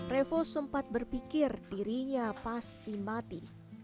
revo sempat berpikir dirinya pasti mati